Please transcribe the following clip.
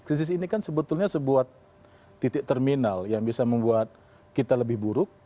krisis ini kan sebetulnya sebuah titik terminal yang bisa membuat kita lebih buruk